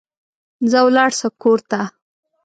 ځه ولاړ سه کور ته